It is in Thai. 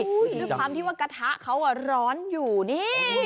ด้วยความที่ว่ากระทะเขาร้อนอยู่นี่